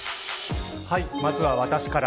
まずは私から。